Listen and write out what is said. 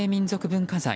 文化財